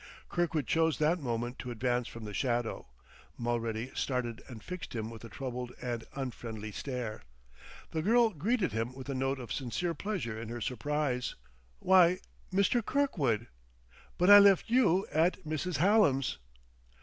Kirkwood chose that moment to advance from the shadow. Mulready started and fixed him with a troubled and unfriendly stare. The girl greeted him with a note of sincere pleasure in her surprise. "Why, Mr. Kirkwood! ... But I left you at Mrs. Hallam's!"